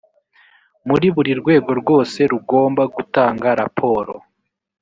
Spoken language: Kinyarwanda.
muri buri rwego rwose rugomba gutanga raporo